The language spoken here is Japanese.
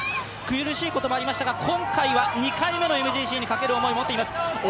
苦しいこともありましたが、今回は２回目のＭＧＣにかける思いを持っています。